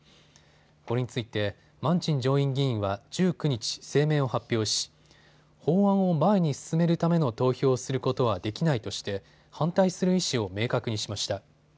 これについてマンチン上院議員は１９日、声明を発表し法案を前に進めるための投票をすることはできないとして反対する意思を明確にしました。